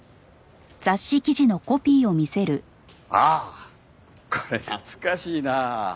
ああこれ懐かしいな。